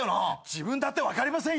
自分だって分かりませんよ。